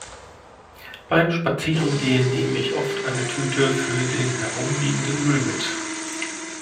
Beim Spazierengehen nehme ich oft eine Tüte für den herumliegenden Müll mit.